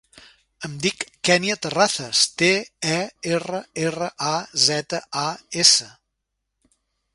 Em dic Kènia Terrazas: te, e, erra, erra, a, zeta, a, essa.